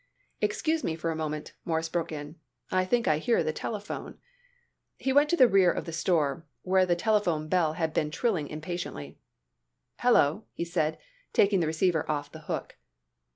"Excuse me for a moment," Morris broke in, "I think I hear the telephone." He walked to the rear of the store, where the telephone bell had been trilling impatiently. "Hello," he said, taking the receiver off the hook.